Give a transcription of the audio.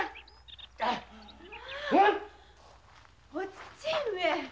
お父上！